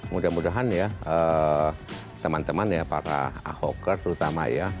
mudah mudahan ya teman teman ya para ahokers terutama ya